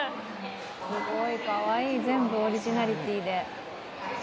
すごい、かわいい全部、オリジナリティーで。